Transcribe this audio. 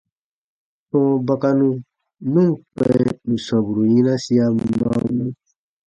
Tɔ̃ɔ bakanu nu ǹ kpɛ̃ nù sɔmburu yinasia mam mam.